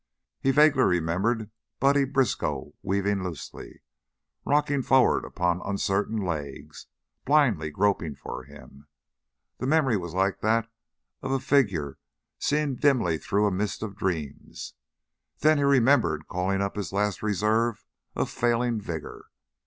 He vaguely remembered Buddy Briskow weaving loosely, rocking forward upon uncertain legs, blindly groping for him the memory was like that of a figure seen dimly through a mist of dreams then he remembered calling up his last reserve of failing vigor.